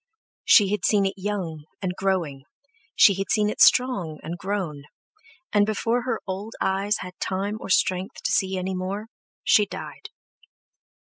She had seen it young, and growing, she had seen it strong and grown, and before her old eyes had time or strength to see any more, she died.